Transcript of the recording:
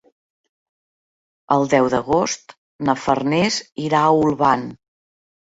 El deu d'agost na Farners irà a Olvan.